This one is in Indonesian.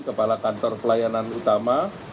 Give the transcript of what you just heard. kepala kantor pelayanan utama